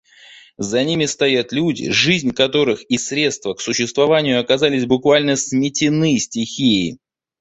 За ними стоят люди, жизнь которых и средства к существованию оказались буквально сметены стихией.